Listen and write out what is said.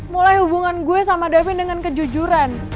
mulai hubungan gue sama davin dengan kejujuran